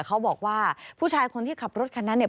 เขาบอกว่าผู้ชายคนที่ขับรถคันนั้นเนี่ย